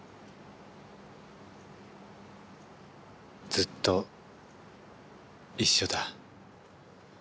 ずっと一緒だ。